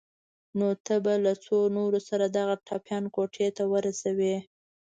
نو ته به له څو نورو سره دغه ټپيان کوټې ته ورسوې.